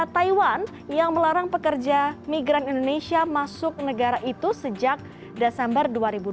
taiwan yang melarang pekerja migran indonesia masuk negara itu sejak desember dua ribu dua puluh